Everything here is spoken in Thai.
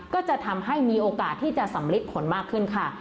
ก็จะทำให้มีโอกาสที่จะสำลิดผลมากขึ้นค่ะ